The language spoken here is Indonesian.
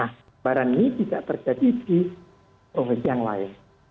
nah barang ini tidak terjadi di provinsi yang lain